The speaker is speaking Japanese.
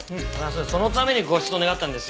そのためにご出動願ったんですよ